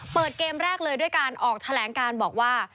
เปิดเกมแรกเลยด้วยการออกแถลงการบอกว่า